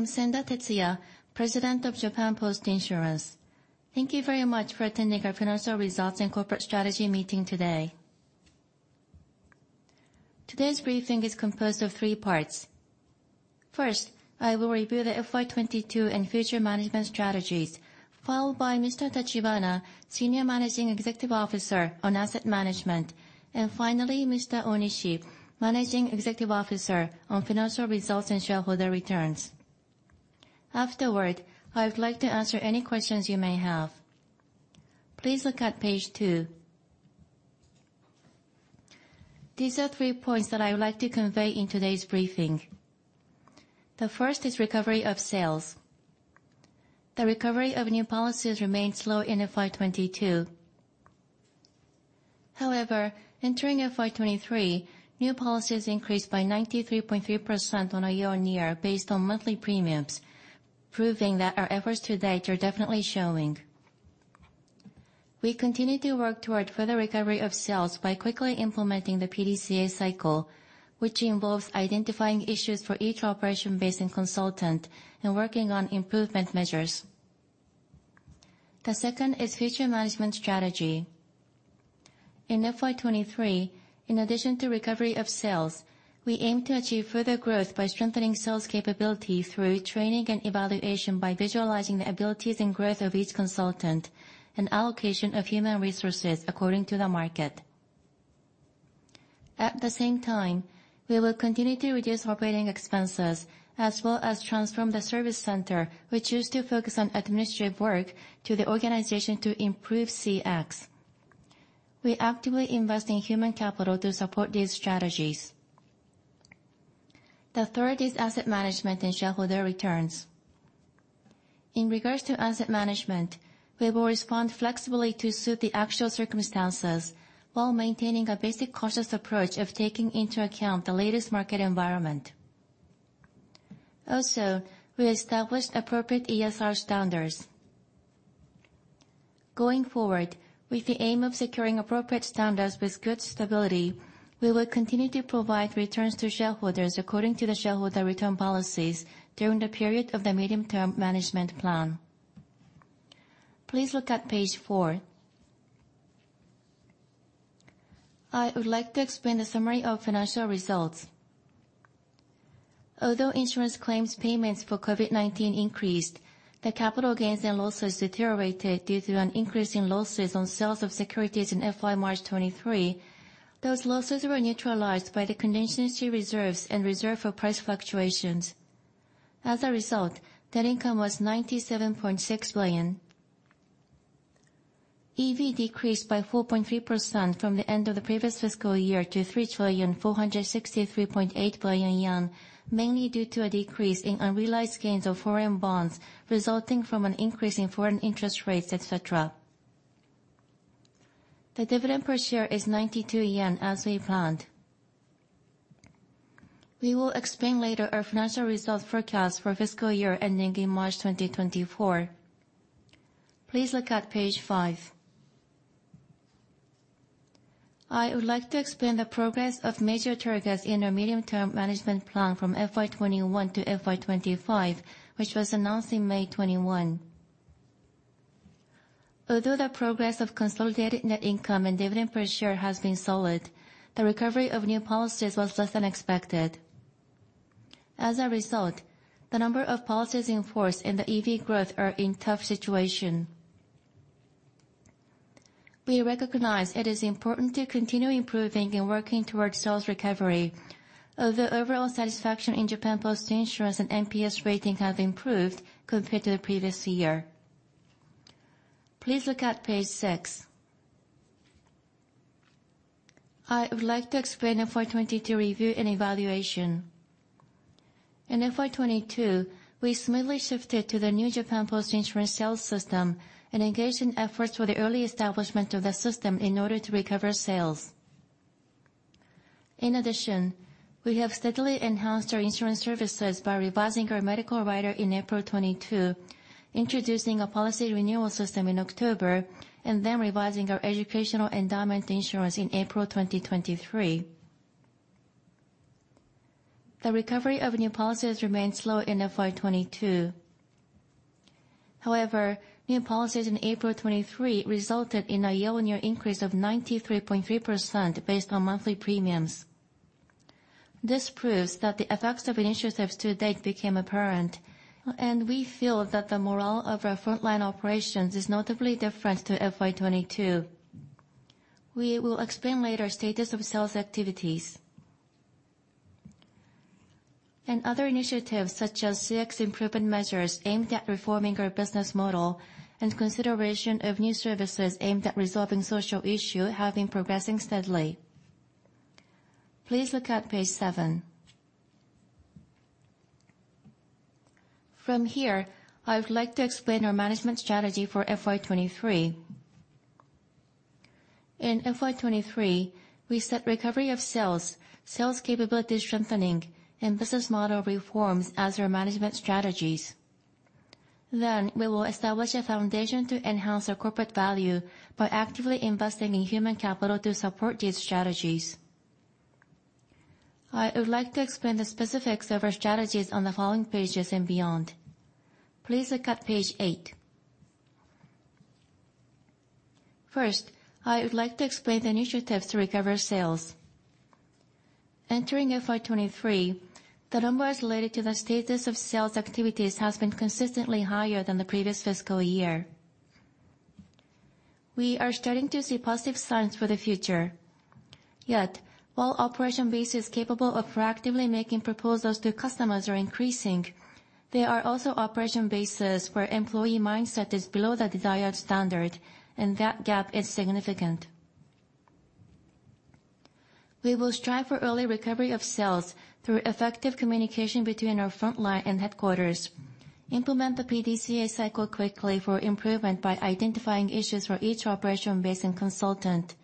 I am Senda Tetsuya, President of Japan Post Insurance. Thank you very much for attending our financial results and corporate strategy meeting today. Today's briefing is composed of three parts. First, I will review the FY 2022 and future management strategies, followed by Mr. Tachibana, Senior Managing Executive Officer on Asset Management, and finally, Mr. Onishi, Managing Executive Officer on Financial Results and Shareholder Returns. Afterward, I would like to answer any questions you may have. Please look at page two. These are three points that I would like to convey in today's briefing. The first is recovery of sales. The recovery of new policies remained slow in FY 2022. Entering FY 2023, new policies increased by 93.3% on a year-on-year based on monthly premiums, proving that our efforts to date are definitely showing. We continue to work toward further recovery of sales by quickly implementing the PDCA cycle, which involves identifying issues for each operation base and consultant and working on improvement measures. The second is future management strategy. In FY 2023, in addition to recovery of sales, we aim to achieve further growth by strengthening sales capability through training and evaluation, by visualizing the abilities and growth of each consultant, and allocation of human resources according to the market. At the same time, we will continue to reduce operating expenses, as well as transform the service center, which used to focus on administrative work, to the organization to improve CX. We actively invest in human capital to support these strategies. The third is asset management and shareholder returns. In regards to asset management, we will respond flexibly to suit the actual circumstances while maintaining a basic cautious approach of taking into account the latest market environment. We established appropriate ESR standards. Going forward, with the aim of securing appropriate standards with good stability, we will continue to provide returns to shareholders according to the shareholder return policies during the period of the Medium-Term Management Plan. Please look at page four. I would like to explain the summary of financial results. Although insurance claims payments for COVID-19 increased, the capital gains and losses deteriorated due to an increase in losses on sales of securities in FY March 2023. Those losses were neutralized by the contingency reserves and reserve for price fluctuations. Net income was 97.6 billion. EV decreased by 4.3% from the end of the previous fiscal year to 3,463.8 billion yen, mainly due to a decrease in unrealized gains of foreign bonds, resulting from an increase in foreign interest rates, et cetera. The dividend per share is 92 yen, as we planned. We will explain later our financial results forecast for fiscal year ending in March 2024. Please look at page five. I would like to explain the progress of major targets in our Medium-Term Management Plan from FY 2021 to FY 2025, which was announced in May 2021. Although the progress of consolidated net income and dividend per share has been solid, the recovery of new policies was less than expected. As a result, the number of policies in force and the EV growth are in tough situation. We recognize it is important to continue improving and working towards sales recovery, although overall satisfaction in Japan Post Insurance and NPS rating have improved compared to the previous year. Please look at page six. I would like to explain FY 2022 review and evaluation. In FY 2022, we smoothly shifted to the new Japan Post Insurance sales system and engaged in efforts for the early establishment of the system in order to recover sales. In addition, we have steadily enhanced our insurance services by revising our medical rider in April 2022, introducing a policy renewal system in October 2022, and then revising our educational endowment insurance in April 2023. The recovery of new policies remained slow in FY 2022. However, new policies in April 2023 resulted in a year-on-year increase of 93.3% based on monthly premiums. This proves that the effects of initiatives to date became apparent, we feel that the morale of our frontline operations is notably different to FY 2022. We will explain later status of sales activities. Other initiatives, such as CX improvement measures aimed at reforming our business model and consideration of new services aimed at resolving social issue, have been progressing steadily. Please look at page seven. From here, I would like to explain our management strategy for FY 2023. In FY 2023, we set recovery of sales capability strengthening, and business model reforms as our management strategies. We will establish a foundation to enhance our corporate value by actively investing in human capital to support these strategies. I would like to explain the specifics of our strategies on the following pages and beyond. Please look at page eight. First, I would like to explain the initiatives to recover sales. Entering FY 2023, the number related to the status of sales activities has been consistently higher than the previous fiscal year. We are starting to see positive signs for the future, yet while operation bases capable of proactively making proposals to customers are increasing, there are also operation bases where employee mindset is below the desired standard, and that gap is significant. We will strive for early recovery of sales through effective communication between our frontline and headquarters, implement the PDCA cycle quickly for improvement by identifying issues for each operation base and consultant,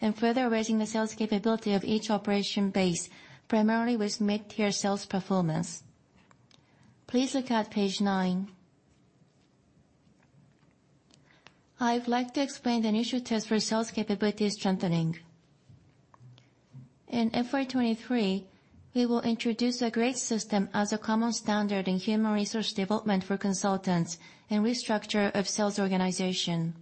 and further raising the sales capability of each operation base, primarily with mid-tier sales performance. Please look at page nine. I would like to explain the initiatives for sales capability strengthening. In FY 2023, we will introduce a grade system as a common standard in human resource development for consultants and restructure of sales organization.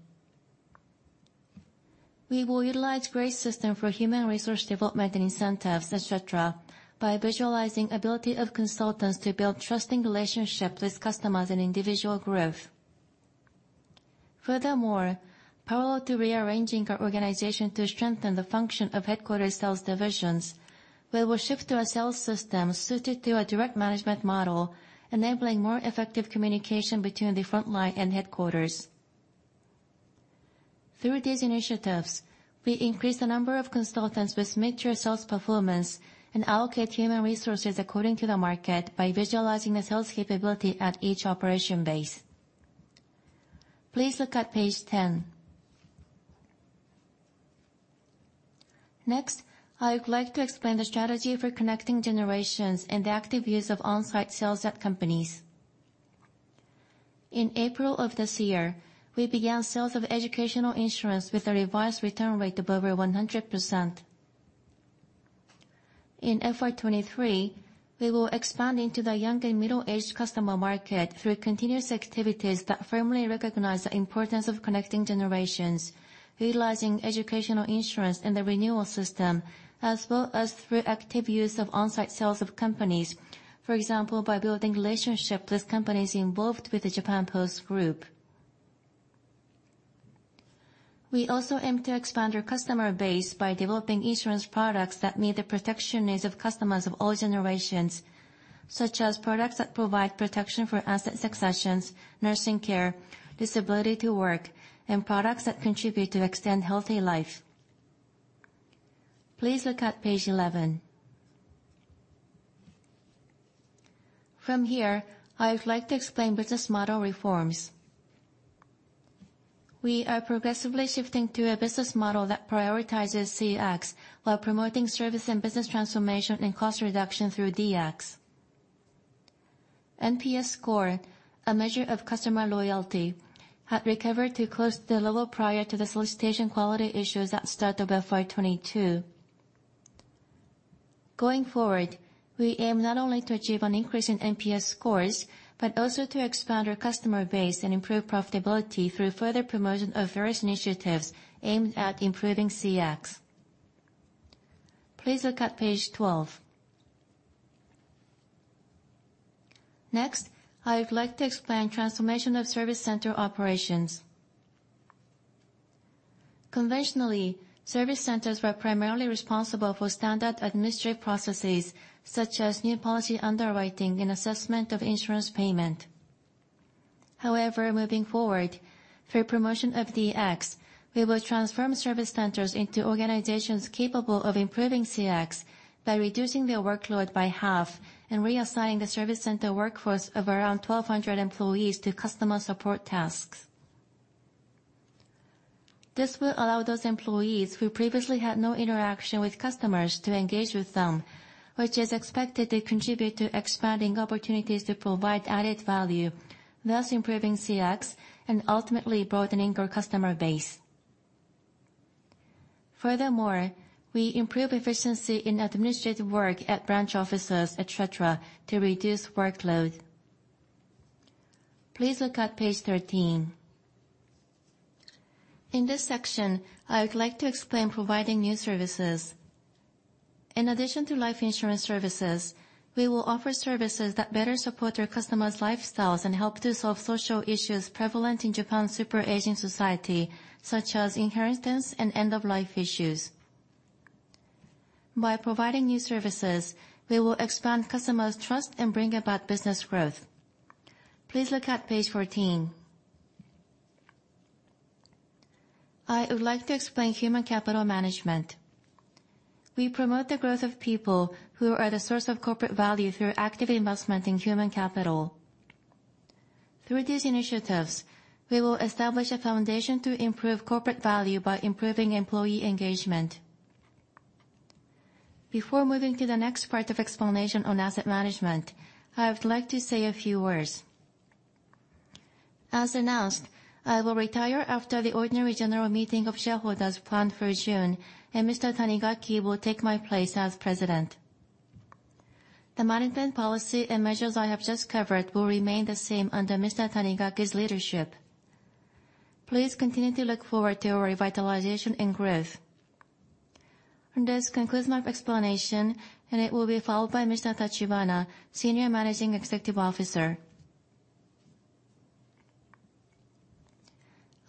We will utilize grade system for human resource development and incentives, etc., by visualizing ability of consultants to build trusting relationship with customers and individual growth. Parallel to rearranging our organization to strengthen the function of headquarters sales divisions, we will shift to a sales system suited to a direct management model, enabling more effective communication between the frontline and headquarters. Through these initiatives, we increase the number of consultants with mid-tier sales performance and allocate human resources according to the market by visualizing the sales capability at each operation base. Please look at page 10. I would like to explain the strategy for connecting generations and the active use of on-site sales at companies. In April of this year, we began sales of educational insurance with a revised return rate of over 100%. In FY 2023, we will expand into the young and middle-aged customer market through continuous activities that firmly recognize the importance of connecting generations, utilizing educational insurance and the renewal system, as well as through active use of on-site sales of companies, for example, by building relationship with companies involved with the Japan Post Group. We also aim to expand our customer base by developing insurance products that meet the protection needs of customers of all generations, such as products that provide protection for asset successions, nursing care, disability to work, and products that contribute to extend healthy life. Please look at page 11. From here, I would like to explain business model reforms. We are progressively shifting to a business model that prioritizes CX, while promoting service and business transformation and cost reduction through DX. NPS score, a measure of customer loyalty, had recovered to close the level prior to the solicitation quality issues at start of FY 2022. Going forward, we aim not only to achieve an increase in NPS scores, but also to expand our customer base and improve profitability through further promotion of various initiatives aimed at improving CX. Please look at page 12. Next, I would like to explain transformation of service center operations. Conventionally, service centers were primarily responsible for standard administrative processes, such as new policy underwriting and assessment of insurance payment. However, moving forward, through promotion of DX, we will transform service centers into organizations capable of improving CX by reducing their workload by half and reassigning the service center workforce of around 1,200 employees to customer support tasks. This will allow those employees who previously had no interaction with customers to engage with them, which is expected to contribute to expanding opportunities to provide added value, thus improving CX and ultimately broadening our customer base. Furthermore, we improve efficiency in administrative work at branch offices, et cetera, to reduce workload. Please look at page 13. In this section, I would like to explain providing new services. In addition to life insurance services, we will offer services that better support our customers' lifestyles and help to solve social issues prevalent in Japan's super-aging society, such as inheritance and end-of-life issues. By providing new services, we will expand customers' trust and bring about business growth. Please look at page 14. I would like to explain human capital management. We promote the growth of people who are the source of corporate value through active investment in human capital. Through these initiatives, we will establish a foundation to improve corporate value by improving employee engagement. Before moving to the next part of explanation on asset management, I would like to say a few words. As announced, I will retire after the ordinary general meeting of shareholders planned for June, and Mr. Tanigaki will take my place as president. The management policy and measures I have just covered will remain the same under Mr. Tanigaki's leadership. Please continue to look forward to our revitalization and growth. This concludes my explanation, and it will be followed by Mr. Tachibana, Senior Managing Executive Officer.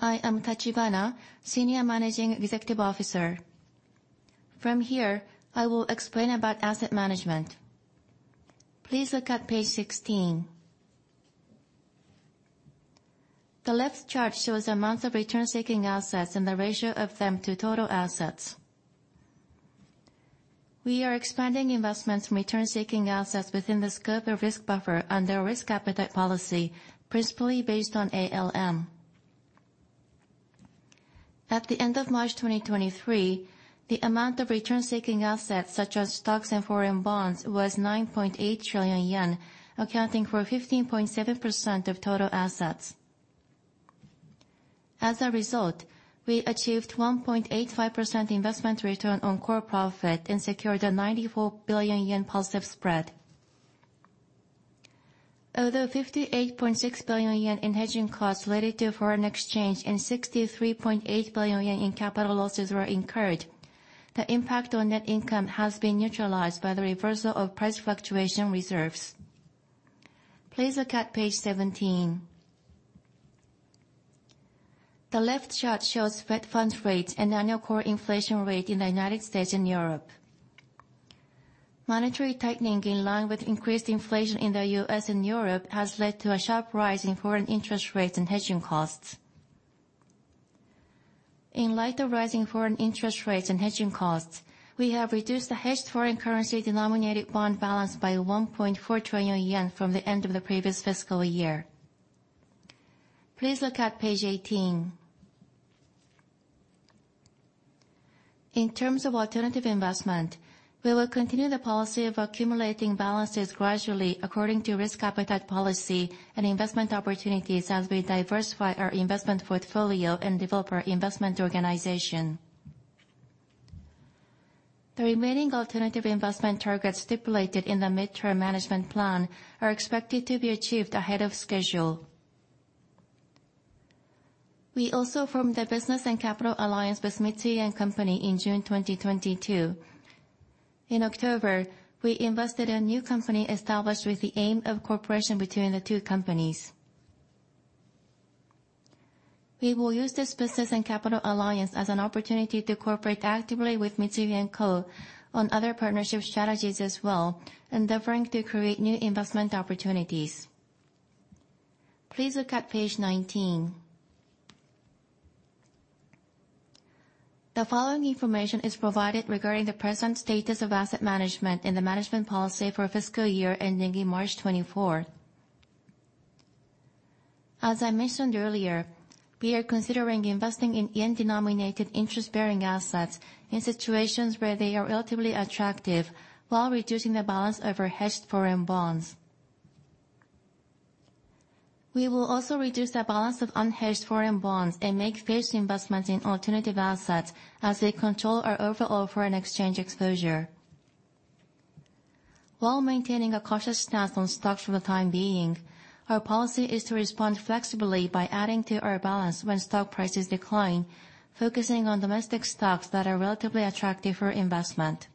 I am Tachibana, Senior Managing Executive Officer. From here, I will explain about asset management. Please look at page 16. The left chart shows the amount of return-seeking assets and the ratio of them to total assets. We are expanding investments in return-seeking assets within the scope of risk buffer under our risk appetite policy, principally based on ALM. At the end of March 2023, the amount of return-seeking assets, such as stocks and foreign bonds, was 9.8 trillion yen, accounting for 15.7% of total assets. As a result, we achieved 1.85% investment return on core profit and secured a 94 billion yen positive spread. Although 58.6 billion yen in hedging costs related to foreign exchange and 63.8 billion yen in capital losses were incurred, the impact on net income has been neutralized by the reversal of price fluctuation reserves. Please look at page 17. The left chart shows fed funds rates and annual core inflation rate in the United States and Europe. Monetary tightening in line with increased inflation in the U.S. and Europe has led to a sharp rise in foreign interest rates and hedging costs. In light of rising foreign interest rates and hedging costs, we have reduced the hedged foreign currency-denominated bond balance by 1.4 trillion yen from the end of the previous fiscal year. Please look at page 18. In terms of alternative investment, we will continue the policy of accumulating balances gradually according to risk appetite policy and investment opportunities as we diversify our investment portfolio and develop our investment organization. The remaining alternative investment targets stipulated in the Mid-Term Management Plan are expected to be achieved ahead of schedule. We also formed a business and capital alliance with Mitsui & Co. in June 2022. In October, we invested in a new company established with the aim of cooperation between the two companies. We will use this business and capital alliance as an opportunity to cooperate actively with Mitsui & Co. on other partnership strategies as well, endeavoring to create new investment opportunities. Please look at page 19. The following information is provided regarding the present status of asset management and the management policy for fiscal year ending in March 24th. As I mentioned earlier, we are considering investing in yen-denominated interest-bearing assets in situations where they are relatively attractive, while reducing the balance of our hedged foreign bonds. We will also reduce the balance of unhedged foreign bonds and make phased investments in alternative assets as they control our overall foreign exchange exposure. While maintaining a cautious stance on stocks for the time being, our policy is to respond flexibly by adding to our balance when stock prices decline, focusing on domestic stocks that are relatively attractive for investment.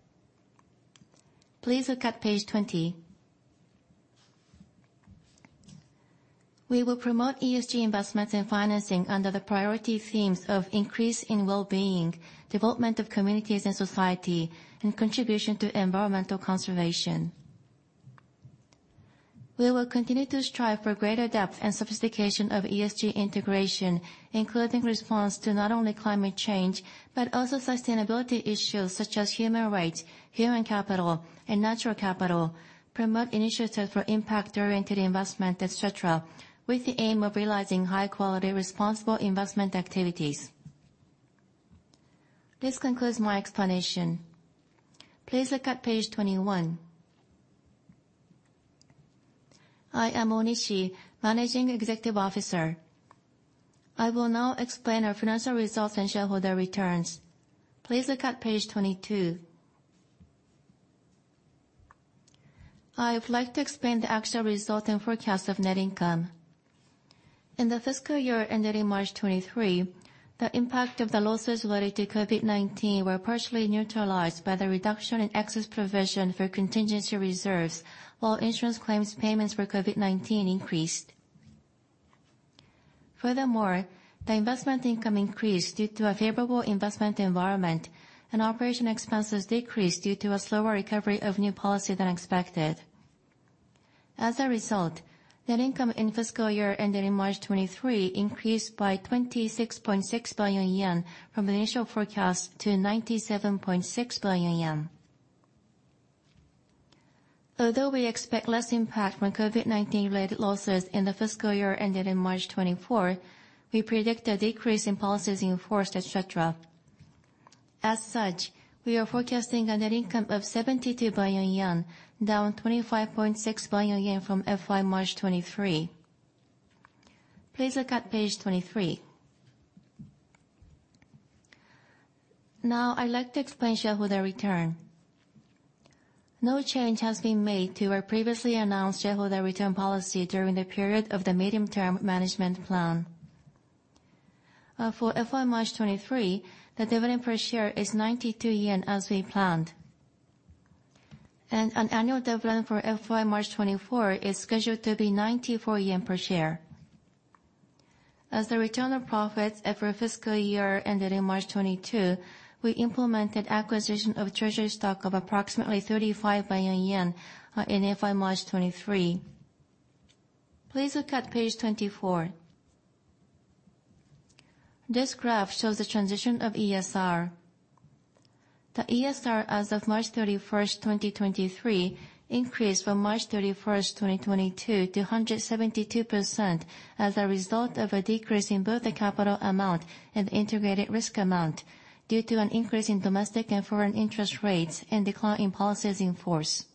Please look at page 20. We will promote ESG investments and financing under the priority themes of increase in well-being, development of communities and society, and contribution to environmental conservation. We will continue to strive for greater depth and sophistication of ESG integration, including response to not only climate change, but also sustainability issues such as human rights, human capital, and natural capital, promote initiatives for impact-oriented investment, et cetera, with the aim of realizing high-quality, responsible investment activities. This concludes my explanation. Please look at page 21. I am Onishi, Managing Executive Officer. I will now explain our financial results and shareholder returns. Please look at page 22. I would like to explain the actual results and forecast of net income. In the fiscal year ending March 2023, the impact of the losses related to COVID-19 were partially neutralized by the reduction in excess provision for contingency reserves, while insurance claims payments for COVID-19 increased. The investment income increased due to a favorable investment environment, and operation expenses decreased due to a slower recovery of new policy than expected. As a result, net income in fiscal year ending in March 2023 increased by 26.6 billion yen from the initial forecast to 97.6 billion yen. Although we expect less impact from COVID-19-related losses in the fiscal year ended in March 2024, we predict a decrease in policies in force, et cetera. As such, we are forecasting a net income of 72 billion yen, down 25.6 billion yen from FY March 2023. Please look at page 23. I'd like to explain shareholder return. No change has been made to our previously announced shareholder return policy during the period of the Medium-Term Management Plan. For FY March 2023, the dividend per share is 92 yen, as we planned. An annual dividend for FY March 2024 is scheduled to be 94 yen per share. As the return on profits every fiscal year ended in March 2022, we implemented acquisition of treasury stock of approximately 35 billion yen in FY March 2023. Please look at page 24. This graph shows the transition of ESR. The ESR as of March 31st, 2023, increased from March 31st, 2022, to 272%, as a result of a decrease in both the capital amount and integrated risk amount, due to an increase in domestic and foreign interest rates and decline in policies in force.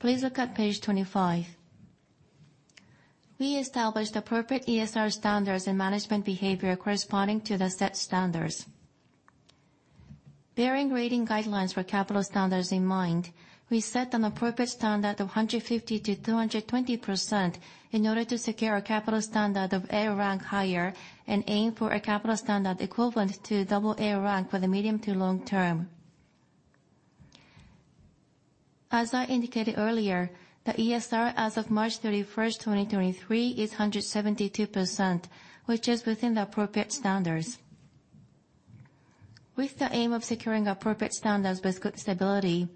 Please look at page 25. We established appropriate ESR standards and management behavior corresponding to the set standards. Bearing rating guidelines for capital standards in mind, we set an appropriate standard of 150%-220% in order to secure a capital standard of A rank higher, and aim for a capital standard equivalent to AA rank for the medium to long term. As I indicated earlier, the ESR as of March 31st, 2023, is 172%, which is within the appropriate standards. With the aim of securing appropriate standards with good stability,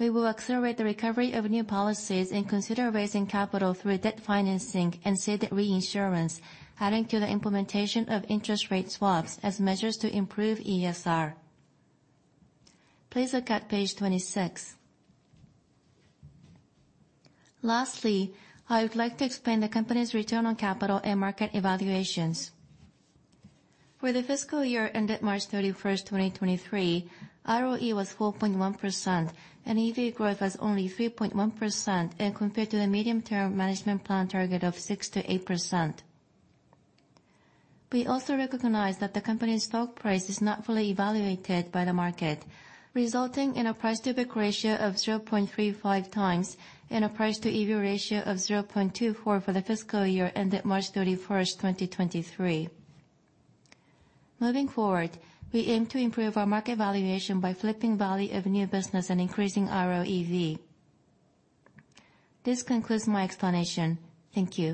we will accelerate the recovery of new policies and consider raising capital through debt financing and ceded reinsurance, adding to the implementation of interest rate swaps as measures to improve ESR. Please look at page 26. Lastly, I would like to explain the company's return on capital and market evaluations. For the fiscal year ended March 31st, 2023, ROE was 4.1%. EV growth was only 3.1% compared to the Medium-Term Management Plan target of 6%-8%. We also recognize that the company's stock price is not fully evaluated by the market, resulting in a price-to-book ratio of 0.35x and a price-to-EV ratio of 0.24 for the fiscal year ended March 31st, 2023. Moving forward, we aim to improve our market valuation by flipping Value of New Business and increasing ROEV. This concludes my explanation. Thank you.